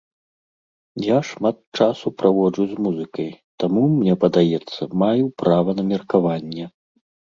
Я шмат часу праводжу з музыкай, таму, мне падаецца, маю права на меркаванне.